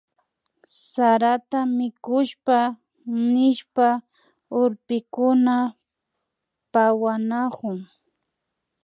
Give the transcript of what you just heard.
Sarata mikusha nishpa urpikuna pawanakun